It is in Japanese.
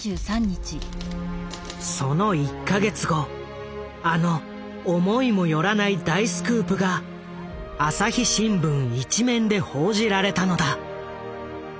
その１か月後あの思いも寄らない大スクープが朝日新聞一面で報じられたのだ。